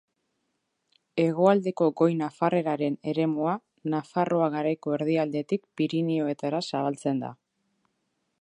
Hegoaldeko goi-nafarreraren eremua Nafarroa Garaiko erdialdetik Pirinioetara zabaltzen da.